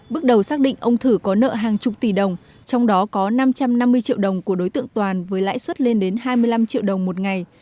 bước đầu xác định ông thử có nợ hàng chục tỷ đồng trong đó có năm trăm năm mươi triệu đồng của đối tượng toàn với lãi suất lên đến hai mươi năm triệu đồng một ngày